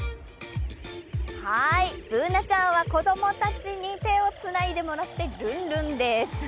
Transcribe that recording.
Ｂｏｏｎａちゃんは子供たちに手をつないでもらってルンルンです。